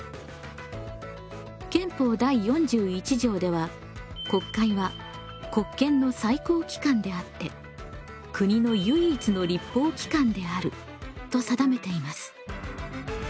憲法第４１条では「国会は国権の最高機関であって国の唯一の立法機関である」と定めています。